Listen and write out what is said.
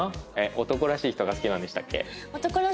男らしい人が好きなんでしたっけ？